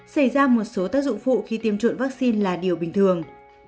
xảy ra một số tác dụng phụ khi tiêm chủng vaccine là điều bình thường